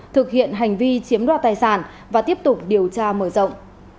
thực hiện hành vi chiếm đoạt tài sản và tiếp tục điều tra mở rộng